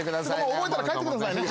覚えたら帰ってくださいね。